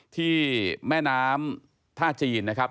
ที่แม่น้ำท่าจีนนะครับ